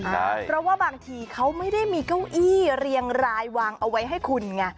ใช่เพราะว่าบางทีเขาไม่ได้มีเก้าอี้เรียงรายวางเอาไว้ให้คุณไง